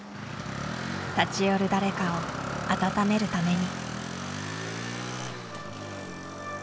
立ち寄る誰かを温めるために。